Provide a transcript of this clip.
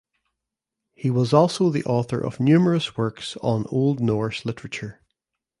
He was also the author of numerous works on Old Norse literature.